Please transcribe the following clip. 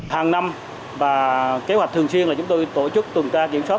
hàng năm và kế hoạch thường chiên là chúng tôi tổ chức tuần ca kiểm soát